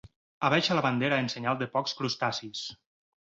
Abaixa la bandera en senyal de pocs crustacis.